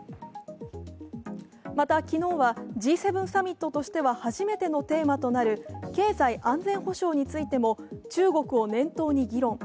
また、昨日はＧ７サミットとしては初めてのテーマとなる経済安全保障についても中国を念頭に議論。